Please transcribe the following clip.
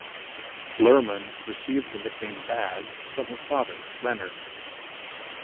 Luhrmann received the nickname "Baz" from his father Leonard.